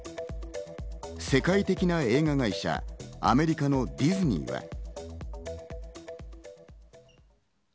世界的な映画会社、アメリカのディズニーは。